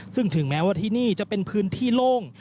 ซึ่งถึงแม้ว่าที่นี่จะเป็นพื้นที่โล่ง